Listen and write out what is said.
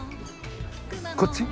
こっち？